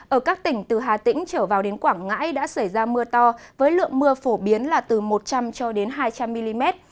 ở các tỉnh từ hà tĩnh trở vào đến quảng ngãi đã xảy ra mưa to với lượng mưa phổ biến là từ một trăm linh cho đến hai trăm linh mm